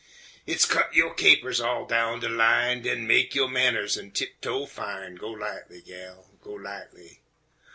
Hit's cut yo' capers all down de line, Den mek yo' manners an' tiptoe fine, Go lightly, gal, go lightly!